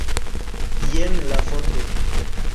Jen la foto.